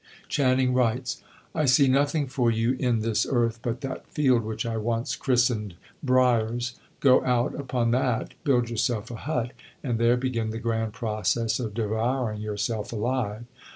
Channing writes: "I see nothing for you in this earth but that field which I once christened 'Briars;' go out upon that, build yourself a hut, and there begin the grand process of devouring yourself alive.